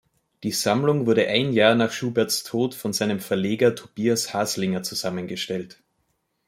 Die Sammlung wurde ein Jahr nach Schuberts Tod von seinem Verleger Tobias Haslinger zusammengestellt.